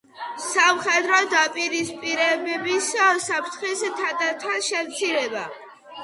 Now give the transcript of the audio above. სამხედრო დაპირისპირებების საფრთხის თანდათან შემცირება